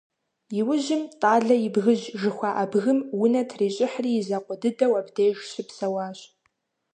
Иужьым «Тӏалэ и бгыжь» жыхуаӏэ бгым унэ трищӏыхьри, и закъуэ дыдэу абдеж щыпсэуащ.